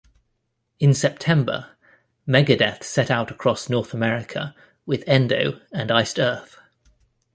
In September, Megadeth set out across North America with Endo and Iced Earth.